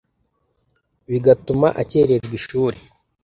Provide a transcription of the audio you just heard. bigatuma akererwa ishuri.